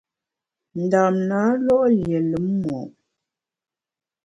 Ndam na lo’ lié lùm mo’.